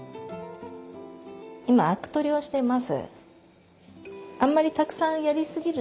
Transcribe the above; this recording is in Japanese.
今あく取りをしてます。